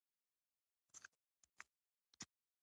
ترڅو په همدې کلمه استخباراتي خنجرونو ته زمینه برابره شي.